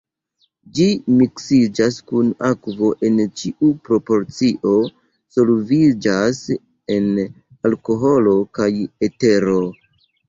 Ĝi miksiĝas kun akvo en ĉiu proporcio, solviĝas en alkoholo kaj etero.